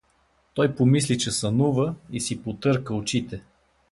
Той помисли, че сънува, и си потърка очите.